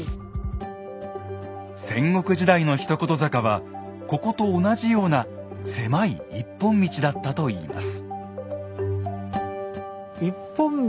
戦国時代の一言坂はここと同じような狭い一本道だったといいます。